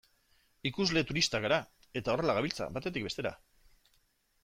Ikusle turistak gara, eta horrela gabiltza, batetik bestera.